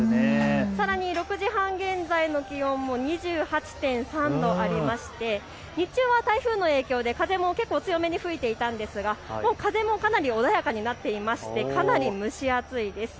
さらに６時半現在の気温も２８．３度ありまして日中は台風の影響で風も強めに吹いていたんですが、もう風もかなり穏やかになっていましてかなり蒸し暑いです。